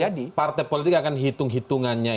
jadi partai politik akan hitung hitungannya